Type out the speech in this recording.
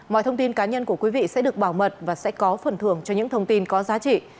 mọi thông tin cá nhân của quý vị sẽ được bảo mật và sẽ có phần thưởng cho những thông tin có giá trị